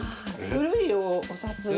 古いお札。